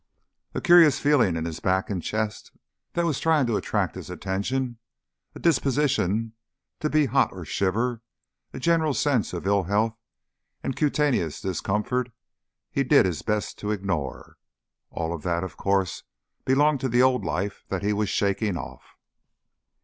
A curious feeling in his back and chest that was trying to attract his attention, a disposition to be hot or shiver, a general sense of ill health and cutaneous discomfort he did his best to ignore. All that of course belonged to the old life that he was shaking off.